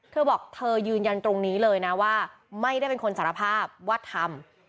เธอบอกเธอยืนยันตรงนี้เลยนะว่าไม่ได้เป็นคนสารภาพว่าทำ